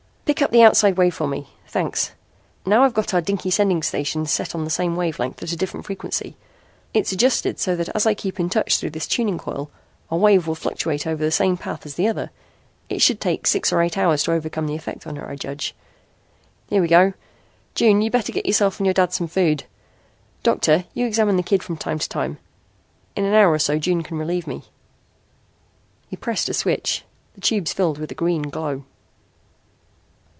Pick up the outside wave for me. Thanks. Now I've got our dinky sending station set on the same wave length at a different frequency. It's adjusted so that as I keep in touch through this tuning coil, our wave will fluctuate over the same path as the other. It should take six or eight hours to overcome the effect on her, I judge. Here we go. June, you'd better get yourself and your dad some food. Doctor, you examine the kid from time to time. In an hour or so June can relieve me." He pressed a switch. The tubes filled with a green glow.